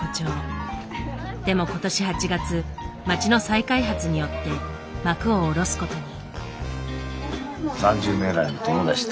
でも今年８月街の再開発によって幕を下ろすことに。